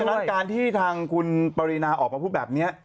ฉะนั้นการที่ทางคุณปรินาออกมาพูดแบบนี้